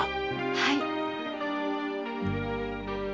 はい。